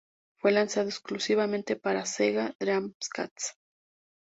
Fue lanzado exclusivamente para Sega Dreamcast.